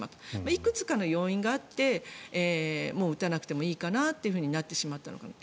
いくつかの要因があってもう打たなくてもいいかなというふうになってしまったのかなと。